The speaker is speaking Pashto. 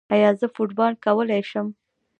ایا زه فوټبال کولی شم؟